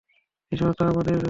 এই শহরটা আমার নখদর্পণে।